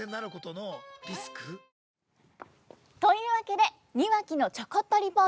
というわけで「庭木のちょこっとリポート」。